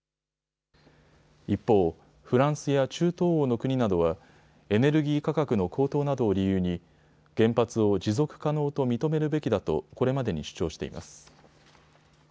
一方、フランスや中東欧の国などはエネルギー価格の高騰などを理由に原発を持続可能と認めるべきだとこれまでに主張しています。